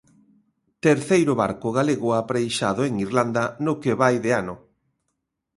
Terceiro barco galego apreixado en Irlanda no que vai de ano.